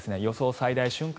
最大瞬間